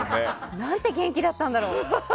何て元気だったんだろ。